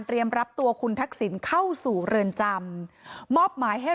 การเตรียมรับตัวคุณทักสินเข้าสู่เรือนจำมอบหมายให้